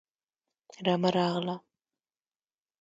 رمه راغله